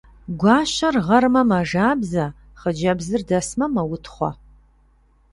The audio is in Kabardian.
Гуащэр гъэрмэ, мэжабзэ, хъыджэбзыр дэсмэ, мэутхъуэ.